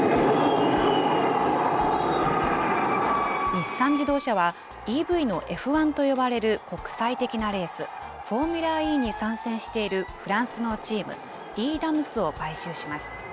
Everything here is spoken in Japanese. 日産自動車はＥＶのＦ１と呼ばれる国際的なレース、フォーミュラＥに参戦しているフランスのチーム、ｅ．ｄａｍｓを買収します。